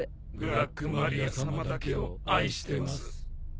ブラックマリアさまだけを愛してます。